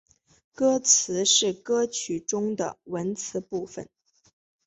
歌词是歌曲中的文词部分。